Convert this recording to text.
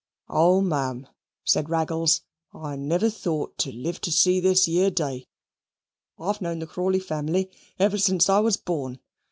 "Oh, M'am," said Raggles, "I never thought to live to see this year day: I've known the Crawley family ever since I was born.